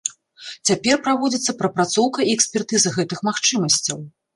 Цяпер праводзіцца прапрацоўка і экспертыза гэтых магчымасцяў.